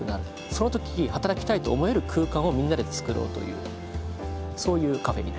その時働きたいと思える空間をみんなでつくろうというそういうカフェになります。